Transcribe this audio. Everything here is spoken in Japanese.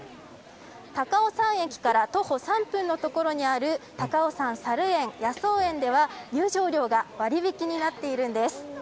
高尾山駅から徒歩３分の所にある高尾山さる園・野草園では入場料が割引になっているんです。